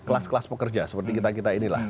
kelas kelas pekerja seperti kita kita inilah